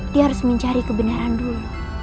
dia harus mencari kebenaran dulu